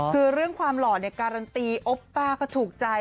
คือเรื่องความหล่อเนี่ยการันตีโอปป้าก็ถูกใจ